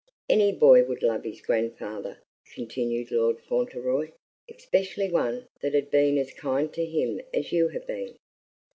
"Any boy would love his grandfather," continued Lord Fauntleroy, "especially one that had been as kind to him as you have been."